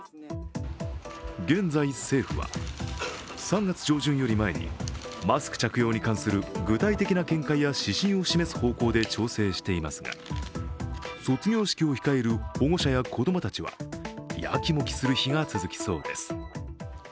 現在、政府は３月上旬より前にマスク着用に関する具体的な見解や指針を示す方向で調整していますが卒業式を控える保護者は子供たちはやきもきする日が続きそうです。